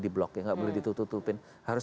di blok gak boleh ditutupin harus